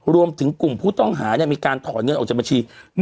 รวมถึงกลุ่มผู้ต้องหามีการถอนเงินออกจากบัญชี